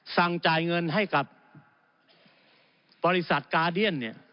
สั่งจ่ายเงินให้กับบริษัทกาเดียนเนี่ย